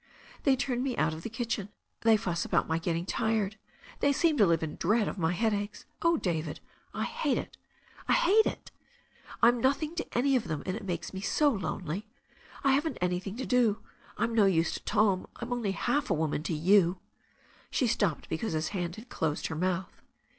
They turn me out of the kitchen, they fuss about my getting tired, they seem to live in dread of my headaches. Oh, David, I hate it! I hate it! I'm nothing to any of them, and it makes me so lonely. I haven't anything to do. I'm no use to Tom — I'm only half a woman to you " She stopped because his hand had closed her mouth.